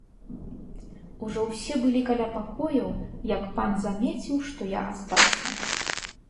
Ужо ўсе былі каля пакояў, як пан замеціў, што я астаўся.